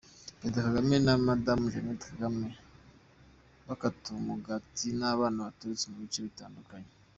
Perezida Kagame na Madamu Jeannette Kagame bakata umugati n'abana baturutse mu bice bitandukanye.